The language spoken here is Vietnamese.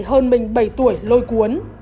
hơn mình bảy tuổi lôi cuốn